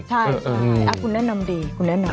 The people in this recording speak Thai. ใช่คุณแนะนำดีคุณแนะนำ